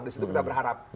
di situ kita berharap